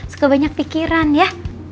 suka banyak pikiran ya